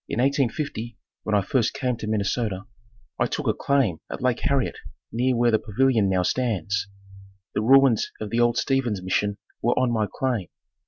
In 1850 when I first came to Minnesota, I took a claim at Lake Harriet near where the pavilion now stands. The ruins of the old Steven's Mission were on my claim.